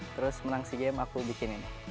terus menang sea games aku bikin ini